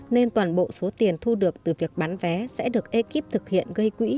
nên toàn bộ số tiền thu được từ việc bán vé sẽ được ekip thực hiện gây quỹ